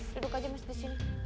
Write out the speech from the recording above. hidup aja mas di sini